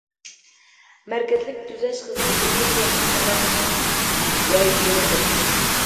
مەركەزلىك تۈزەش خىزمىتىنى چوڭقۇر قانات يايدۇردۇق.